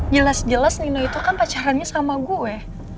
jelas jelas nino itu kan pacarannya sama gue